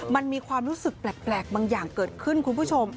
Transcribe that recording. มันมีความรู้สึกแปลกบางอย่างเกิดขึ้นคุณผู้ชม